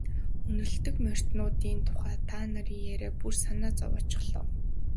Үнэрлэдэг морьтнуудын тухай та нарын яриа бүр санаа зовоочихлоо.